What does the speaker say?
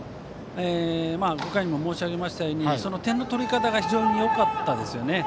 ５回にも申し上げたように点の取り方が非常によかったですね。